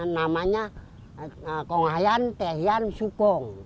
namanya kongahian tehian sukong